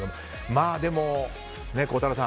でも孝太郎さん